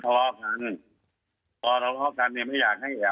เพราะว่าทะเลาะกันเนี่ยไม่ยังให้เอ๋ยา